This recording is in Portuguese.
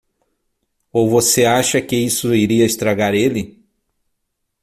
Ou você acha que isso iria estragar ele?